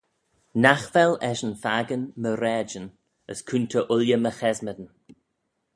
Nagh vel eshyn fakin my raaidyn, as coontey ooilley my chesmadyn.